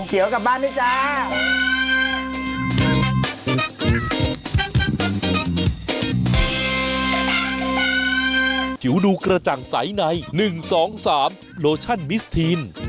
เขียวกลับบ้านด้วยจ้า